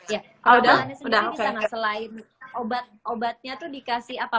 ya kemudahannya sendiri di sana selain obat obatnya itu dikasih apa